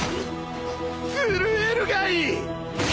震えるがいい！